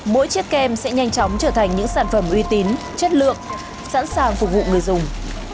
mỗi chiếc kem sẽ nhanh chóng trở thành những sản phẩm uy tín chất lượng sẵn sàng phục vụ người dùng